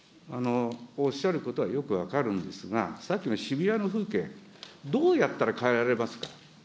おっしゃることはよく分かるんですが、さっきの渋谷の風景、どうやったら変えられますか。